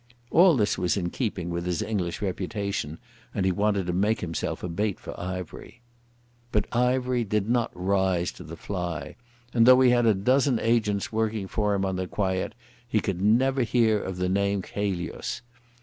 All this was in keeping with his English reputation, and he wanted to make himself a bait for Ivery. But Ivery did not rise to the fly, and though he had a dozen agents working for him on the quiet he could never hear of the name Chelius.